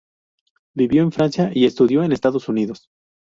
Vivió en Francia y estudio en Estados Unidos.